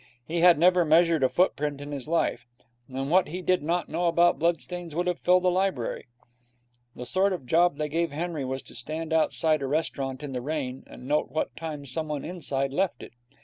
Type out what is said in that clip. He had never measured a footprint in his life, and what he did not know about bloodstains would have filled a library. The sort of job they gave Henry was to stand outside a restaurant in the rain, and note what time someone inside left it.